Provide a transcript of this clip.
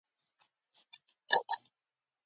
نجیب الدوله د ابدالي سړی وو.